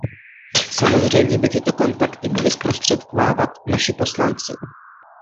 Samozřejmě by tyto kontakty měli zprostředkovávat naši poslanci.